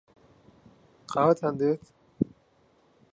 قاوەتان دەوێت؟